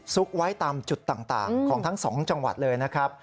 ไว้ตามจุดต่างของทั้งสองจังหวัดเลยนะครับ